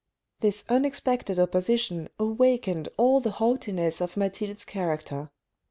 This unexpected opposition awakened all the haughtiness of Mathilde's character.